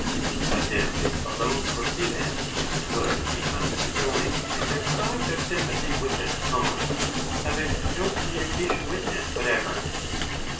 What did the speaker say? But if it alone proceeded, it would be unconjoined and deprived of sympathy with its cause, having no communication with it whatever.